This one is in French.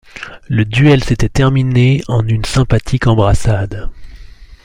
Le duel s'était terminé en une sympathique embrassade.